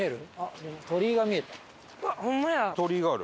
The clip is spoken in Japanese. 鳥居がある。